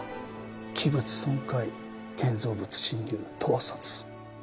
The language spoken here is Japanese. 器物損壊建造物侵入盗撮。